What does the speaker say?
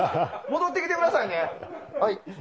戻ってきてください。